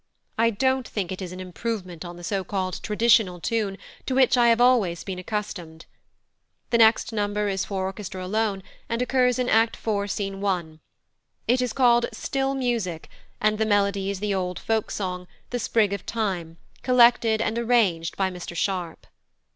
I don't think it is an improvement on the so called traditional tune to which I have always been accustomed. The next number is for orchestra alone, and occurs in Act iv., Scene 1; it is called "Still Music," and the melody is the old folk song, "The sprig of thyme," collected and arranged by Mr Sharp.